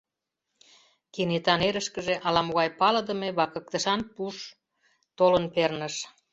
Кенета нерышкыже ала-могай палыдыме вакыктышан пуш толын перныш.